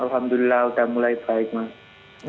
alhamdulillah sudah mulai baik mas